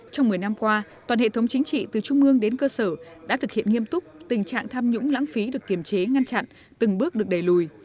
trong một mươi năm qua toàn hệ thống chính trị từ trung ương đến cơ sở đã thực hiện nghiêm túc tình trạng tham nhũng lãng phí được kiềm chế ngăn chặn từng bước được đẩy lùi